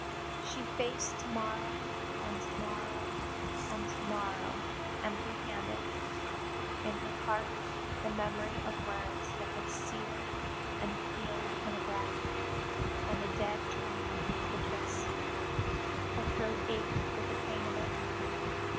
She faced to morrow, and to morrow, and to morrow empty handed in her heart the memory of words that had seared and healed in a breath, and the dead dream of a kiss. Her throat ached with the pain of it.